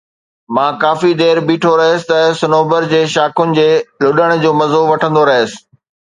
مان ڪافي دير تائين بيٺو رهيس ته صنوبر جي شاخن جي لڏڻ جو مزو وٺندو رهيس